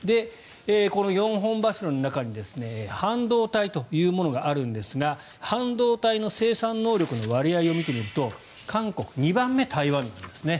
この４本柱の中に半導体というのがあるんですが半導体の生産能力の割合を見てみると韓国、２番目が台湾なんですね。